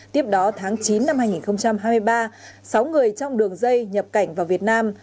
tiếp đó tháng chín năm hai nghìn hai mươi ba sáu người trong đường dây nhập cảnh vào việt nam